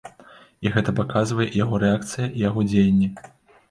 І гэта паказвае і яго рэакцыя, і яго дзеянні.